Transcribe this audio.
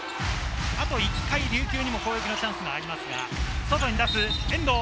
あと１回、琉球にも攻撃のチャンスがありますが、外に出す、遠藤。